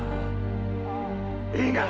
kelakuan depan algunas